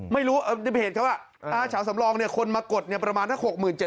ไม่รู้ในเพจเขาอาเฉาสำรองคนมากดประมาณถ้า๖๐๐๐๐๗๐๐๐๐